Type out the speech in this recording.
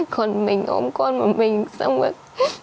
còn mình ông con mà mình xong rồi